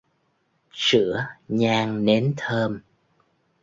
Sữa nhang nến thơm